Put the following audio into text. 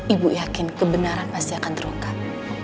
ibu yakin kebenaran pasti akan terungkap